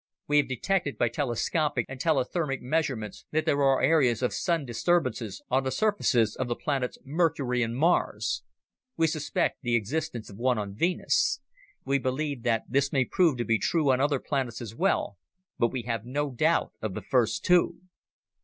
We have detected by telescopic and telethermic measurements that there are areas of Sun disturbances on the surfaces of the planets Mercury and Mars. We suspect the existence of one on Venus. We believe that this may prove to be true on other planets as well, but we have no doubt of the first two.